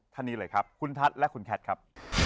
ท่านนี้เลยครับคุณทัศน์และคุณแคทครับ